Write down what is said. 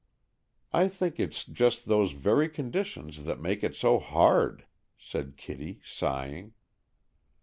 "I think it's just those very conditions that make it so hard," said Kitty, sighing.